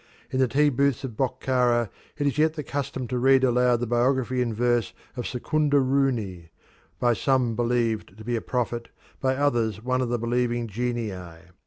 In the tea booths of Bokhara it is yet the custom to read aloud the biography in verse of Secunder Rooni by some believed to be a prophet, by others one of the believing genii.